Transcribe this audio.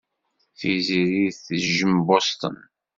Tiziri tejjem Boston.